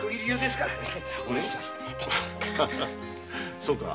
そうか。